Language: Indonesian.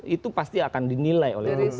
itu pasti akan dinilai oleh presiden